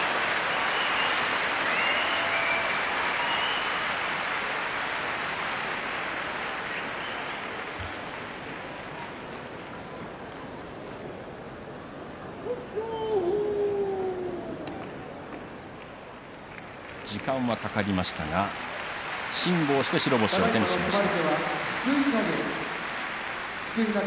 拍手時間はかかりましたが辛抱して白星を手にしました。